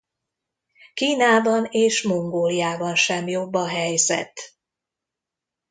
Kínában és Mongóliában sem jobb a helyzet.